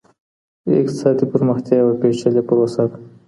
اقتصادي پرمختیا یوه پېچلې پروسه ده.